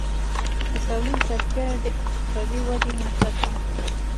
د تولید ظرفیت د اقتصادي ودې نښه ده.